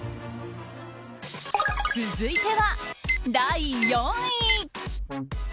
続いては第４位。